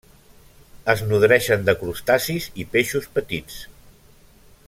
Es nodreixen de crustacis i peixos petits.